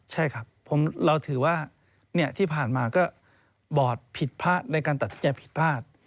ใช่ครับเราถือว่าที่ผ่านมาก็บอร์ดผิดพลาดในการตัดสินใจผิดพลาด